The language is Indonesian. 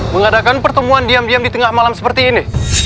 mengadakan pertemuan diam diam di tengah malam seperti ini